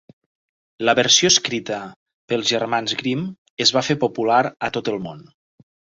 La versió escrita pels germans Grimm es va fer popular a tot el món.